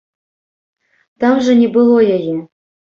Там жа не было яе.